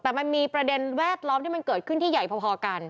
แต่มันมีประเด็นแวดล้อมที่มันเกิดขึ้นที่ใหญ่พอกัน